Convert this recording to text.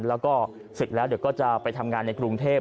แล้วก็ศึกแล้วเดี๋ยวก็จะไปทำงานในกรุงเทพ